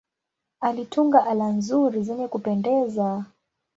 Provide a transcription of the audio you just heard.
Alitunga ala nzuri zenye kupendeza.